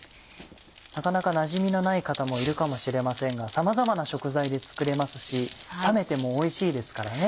なかなかなじみのない方もいるかもしれませんがさまざまな食材で作れますし冷めてもおいしいですからね。